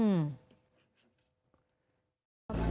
อืม